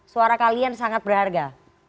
suara kalian sangat berharga